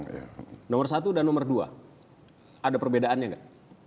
pak nomor satu dan nomor dua ada perbedaannya enggak